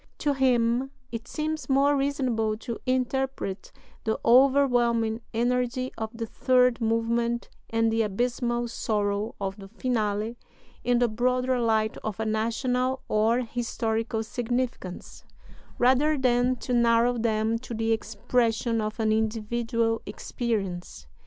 To him it seems more reasonable "to interpret the overwhelming energy of the third movement and the abysmal sorrow of the Finale in the broader light of a national or historical significance, rather than to narrow them to the expression of an individual experience.